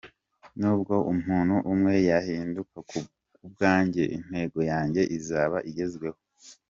Nubwo umuntu umwe yahinduka ku bwanjye intego yanjye izaba igezweho.